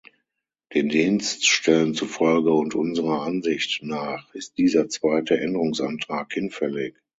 Den Dienststellen zufolge und unserer Ansicht nach ist dieser zweite Änderungsantrag hinfällig.